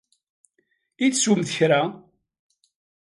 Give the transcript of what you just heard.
I teswemt kra?